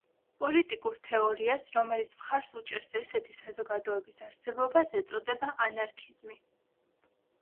პოლიტიკურ თეორიას, რომელიც მხარს უჭერს ესეთი საზოგადოების არსებობას ეწოდება ანარქიზმი.